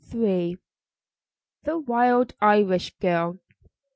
THE WILD IRISH GIRL.